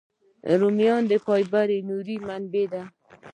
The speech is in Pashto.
رومیان د فایبر منبع دي